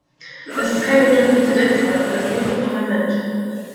Das ist kein guter Präzedenzfall für das nächste Parlament!